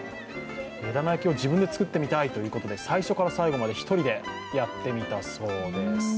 目玉焼きを自分で作ってみたいということで、最初から最後まで１人でやってみたそうです。